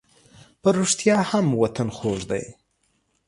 په رښتیا هم وطن خوږ دی.